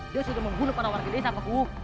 dia sudah membunuh para warga desa ngebuk